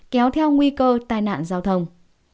kéo theo nguy cơ tai nạn giao thông